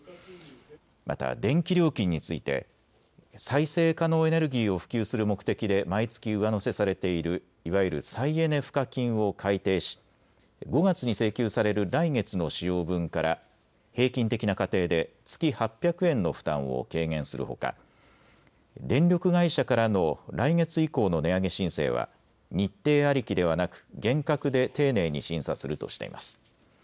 また電気料金について再生可能エネルギーを普及する目的で毎月、上乗せされているいわゆる再エネ賦課金を改定し５月に請求される来月の使用分から平均的な家庭で月８００円の負担を軽減するほか電力会社からの来月以降の値上げ申請は日程ありきではなく厳格で丁寧に審査するとしています。